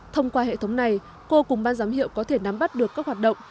thông qua hệ thống này cô cùng ban giám hiệu có thể nắm bắt được các hoạt động